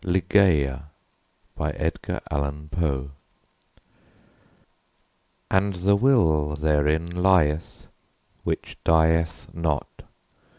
Ligeia BY EDGAR ALLAN POE And the will therein lieth, which dieth not.